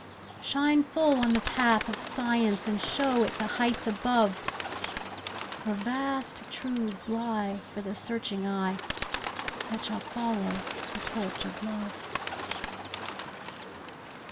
Shine full on the path of Science, And show it the heights above, Where vast truths lie for the searching eye That shall follow the torch of love.